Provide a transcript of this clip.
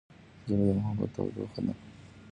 زړه د محبت تودوخه ده.